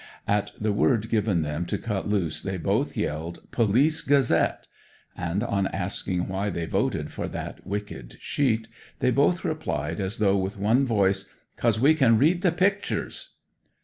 At the word given them to cut loose they both yelled "Police Gazette", and on asking why they voted for that wicked Sheet, they both replied as though with one voice: "Cause we can read the pictures."